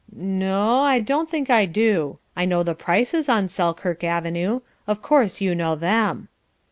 "No o, I don't think I do. I know the Prices on Selkirk Avenue. Of course you know them."